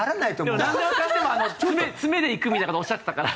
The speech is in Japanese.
でもなんでもかんでも詰めでいくみたいな事をおっしゃってたから。